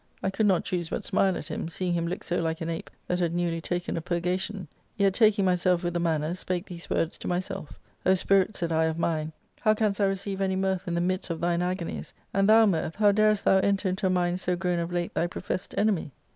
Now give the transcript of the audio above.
I could not choose but smile at him, seeing him look so like an ape that had newly taken a purga tion : yet, taking myself with the manner, spake .these words to myself :* O spirit,' said I, * of mine, how canst thou receive any mirth in the midst of thine agonies ? and thou, mirth, how darest thou enter into a mind so grown of late thy professed enemy